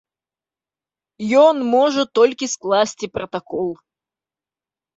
Ён можа толькі скласці пратакол.